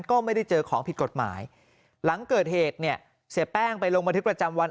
ก็ไม่ได้เจอของผิดกฎหมายหลังเกิดเหตุเนี่ยเสียแป้งไปลงบันทึกประจำวัน